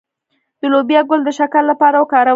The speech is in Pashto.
د لوبیا ګل د شکر لپاره وکاروئ